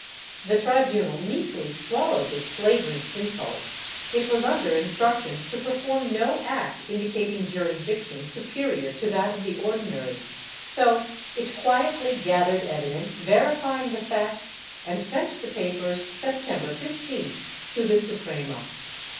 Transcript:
The tribvmal meekly swallowed this flagrant insult; it was under instructions to perform no act indicating jurisdiction superior to that of the Ordinaries, so it quietly gathered evidence verifying the facts and sent the papers, September 15th, to the Suprema.